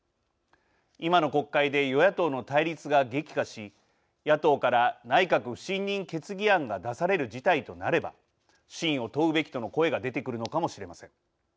今の国会で与野党の対立が激化し野党から内閣不信任決議案が出される事態となれば信を問うべきとの声が出てくるのかもしれません。